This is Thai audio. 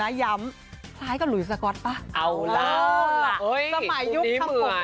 เอาล่ะสมัยยุคข้างปกหน้าใส